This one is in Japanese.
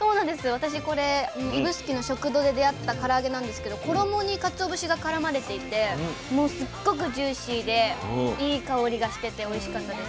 私これ指宿の食堂で出会ったから揚げなんですけど衣にかつお節がからまれていてもうすっごくジューシーでいい香りがしてておいしかったです。